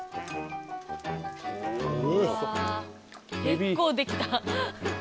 うわ結構できた。